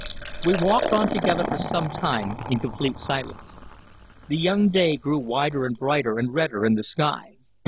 We walked on together for some time in complete silence. The young day grew wider and brighter and redder in the sky.